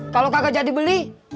kalau nggak jadi beli